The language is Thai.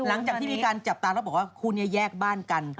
หลังจากที่มีการจับตาแล้วบอกว่าคู่นี้แยกบ้านกัน